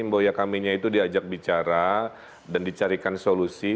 bahwa kaminya itu diajak bicara dan dicarikan solusi